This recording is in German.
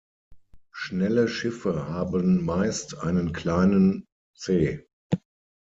Schnelle Schiffe haben meist einen kleinen "C".